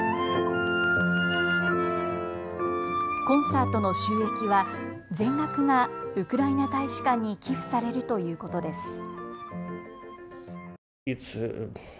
コンサートの収益は全額がウクライナ大使館に寄付されるということです。